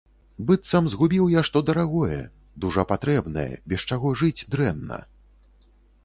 Быццам згубіў я што дарагое, дужа патрэбнае, без чаго жыць дрэнна.